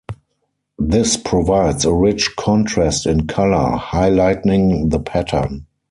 This provides a rich contrast in color, highlighting the pattern.